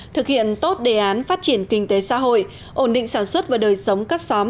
thực hiện tốt đề án phát triển kinh tế xã hội ổn định sản xuất và đời sống các xóm